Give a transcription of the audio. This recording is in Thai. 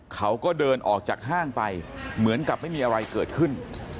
เขาก็เดินออกจากห้างไปเหมือนกับไม่มีอะไรเกิดขึ้น